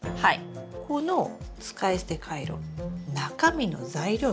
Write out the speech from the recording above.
この使い捨てカイロ中身の材料見て。